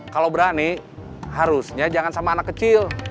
kalau berani harusnya jangan sama anak kecil